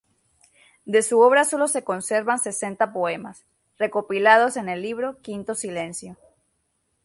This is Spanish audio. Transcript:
De su obra sólo se conservan sesenta poemas, recopilados en el libro "Quinto Silencio".